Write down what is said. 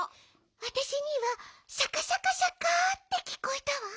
わたしにはシャカシャカシャカってきこえたわ。